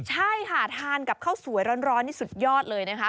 ใช่ค่ะทานกับข้าวสวยร้อนนี่สุดยอดเลยนะคะ